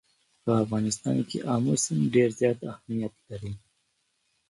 په افغانستان کې آمو سیند ډېر زیات اهمیت لري.